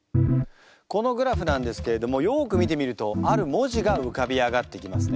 このグラフなんですけれどもよく見てみるとある文字が浮かび上がってきますね。